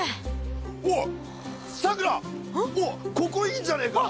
おいさくらおいここいいんじゃねえか。